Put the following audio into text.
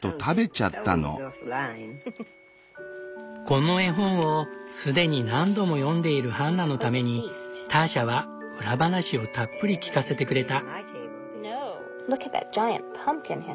この絵本を既に何度も読んでいるハンナのためにターシャは裏話をたっぷり聞かせてくれた。